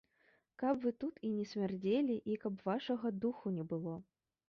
Каб вы тут і не смярдзелі і каб вашага духу не было!